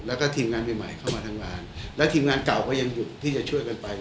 แล้วก็ทีมงานใหม่ใหม่เข้ามาทำงานและทีมงานเก่าก็ยังหยุดที่จะช่วยกันไป